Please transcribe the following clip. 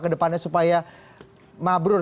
kedepannya supaya mabrur